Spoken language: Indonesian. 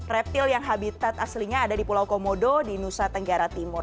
reptil yang habitat aslinya ada di pulau komodo di nusa tenggara timur